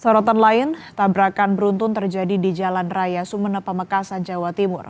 sorotan lain tabrakan beruntun terjadi di jalan raya sumene pamekasan jawa timur